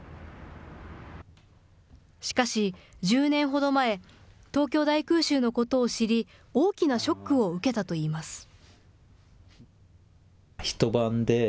しかし１０年ほど前、東京大空襲のことを知り大きなショックを受けたといいます。